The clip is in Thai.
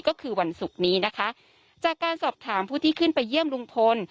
ก็คือวันศุกร์นี้นะคะจากการสอบถามผู้ที่ขึ้นไปเยี่ยมลุงพล